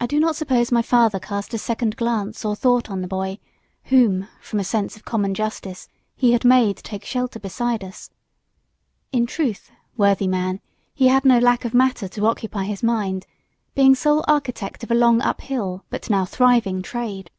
I do not suppose my father cast a second glance or thought on the boy, whom, from a sense of common justice, he had made take shelter beside us. In truth, worthy man, he had no lack of matter to occupy his mind, being sole architect of a long up hill but now thriving trade.